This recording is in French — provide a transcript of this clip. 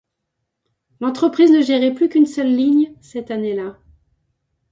L'entreprise ne gérait plus qu'une seule ligne cette année-là.